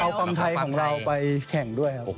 เอาความไทยของเราไปแข่งด้วยครับ